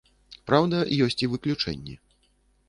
Праўда, ёсць і выключэнні.